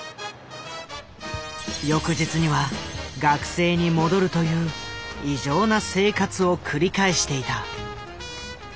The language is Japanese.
翌日には学生に戻るという異常な生活を繰り返していた。